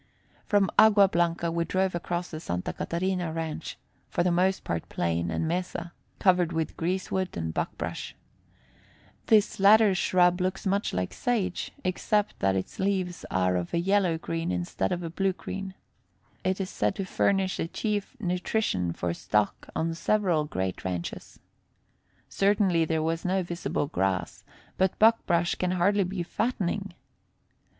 From Agua Blanca we drove across the Santa Catarina ranch, for the most part plain and mesa, covered with greasewood and buckbrush. This latter shrub looks much like sage, except that its leaves are of a yellow green instead of a blue green. It is said to furnish the chief nutrition for stock on several great ranches. Certainly there was no visible grass, but buckbrush can hardly be fattening.